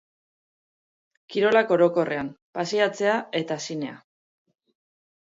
Kirolak orokorrean, pasiatzea eta zinea.